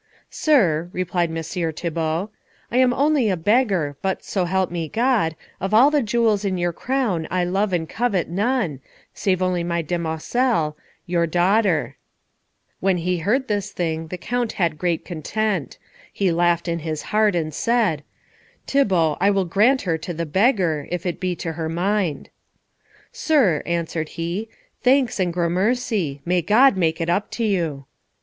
"Sir," replied Messire Thibault, "I am only a beggar, but so help me God, of all the jewels in your crown I love and covet none, save only my demoiselle, your daughter." When he heard this thing the Count had great content. He laughed in his heart and said, "Thibault, I will grant her to the beggar, if it be to her mind." "Sir," answered he, "thanks and gramercy. May God make it up to you."